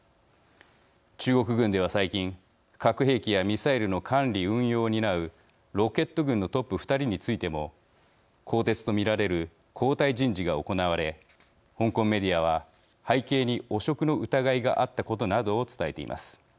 中国軍では最近核兵器やミサイルの管理・運用を担うロケット軍のトップ２人についても更迭と見られる交代人事が行われ香港メディアは背景に汚職の疑いがあったことなどを伝えています。